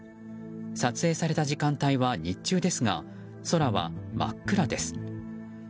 撮影された時間帯は日中ですが空は真っ暗です。